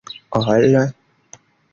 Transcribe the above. ol